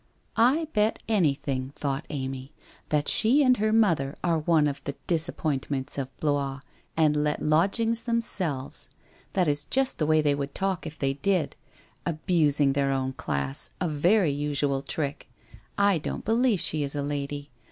' I bet anything,' thought Amy, ' that she and her mother are one of the " disappointments of Blois," and let lodg ings themselves! That is just the way they would talk if they did. Abusing their own class, a very usual trick! I don't believe she is a lady.